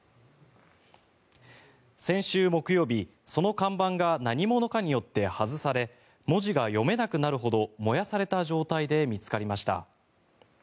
先週木曜日、その看板が何者かによって外され文字が読めなくなるほど燃やされた状態で見つかりました。